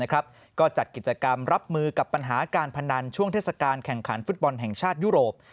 ก็จัดกิจกรรมรับมือกับปัญหาการพนันช่วงเทศกาลแข่งขันฟุตบอลแห่งชาติยุโรป